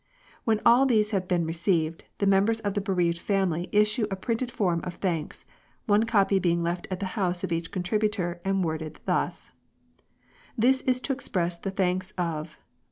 When all these have been received, the members of the bereaved family issue a printed form of thanks, one copy being left at the house of each contributor and worded thus :— "This is to express the thanks of